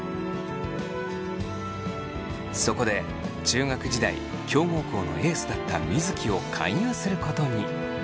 そこで中学時代強豪校のエースだった水城を勧誘することに。